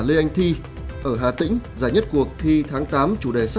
đến cái cảm nhận của